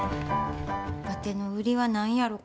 わての売りは何やろか？